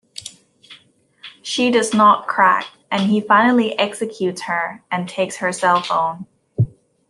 She does not crack, and he finally executes her and takes her cell phone.